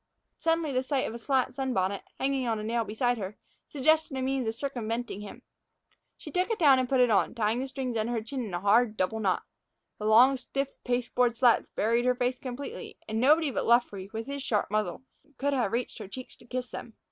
Suddenly the sight of a slat sunbonnet, hanging on a nail beside her, suggested a means of circumventing him. She took it down and put it on, tying the strings under her chin in a hard double knot. The long, stiff pasteboard slats buried her face completely, and nobody but Luffree, with his sharp muzzle, could have reached her cheeks to kiss them.